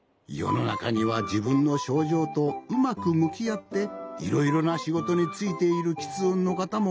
のなかにはじぶんのしょうじょうとうまくむきあっていろいろなしごとについているきつ音のかたもおるんじゃよ。